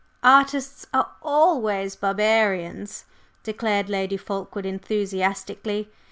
"Artists are always barbarians," declared Lady Fulkeward enthusiastically.